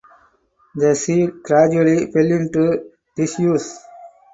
The shed gradually fell into disuse.